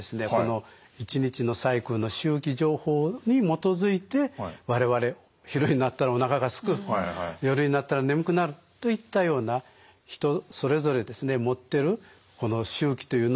一日のサイクルの周期情報に基づいて我々昼になったらおなかがすく夜になったら眠くなるといったような人それぞれ持ってるこの周期というのの根源になってると考えられています。